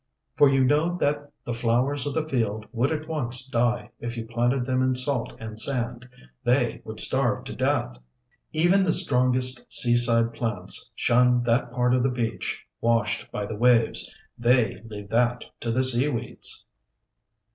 For you know that the flowers of the field would at once die if you planted them in salt and sand. They would starve to death. Even the strongest seaside plants shun that part of the beach washed by the waves. They leave that to the seaweeds.